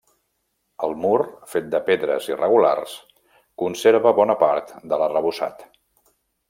El mur, fet de pedres irregulars, conserva bona part de l'arrebossat.